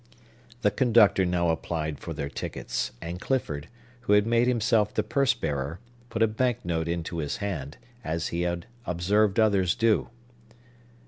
The conductor now applied for their tickets; and Clifford, who had made himself the purse bearer, put a bank note into his hand, as he had observed others do.